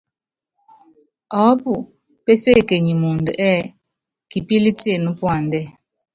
Ɔɔ́pu péséékenyi muundɔ ɛ́ɛ́: Kipílɛ́ tiené puandɛ́.